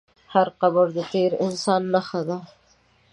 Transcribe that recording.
هر قبر د تېر انسان نښه ده.